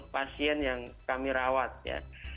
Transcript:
enam puluh pasien yang kami rawat ya